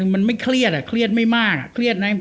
มันไม่เครียดเครียดไม่มาก